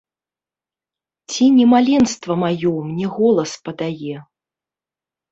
Ці не маленства маё мне голас падае?